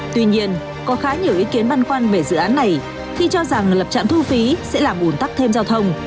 tuy nhiên có khá nhiều ý kiến băn khoăn về dự án này khi cho rằng lập trạm thu phí sẽ làm ủn tắc thêm giao thông